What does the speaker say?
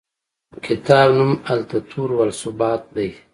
کتاب نوم التطور و الثبات دی.